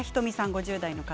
５０代の方。